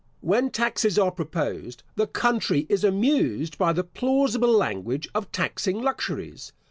When taxes are proposed, the country is amused by the plausible language of taxing luxuries.